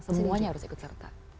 semuanya harus ikut serta